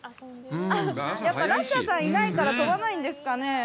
ラッシャーさんいないから飛ばないんですかね。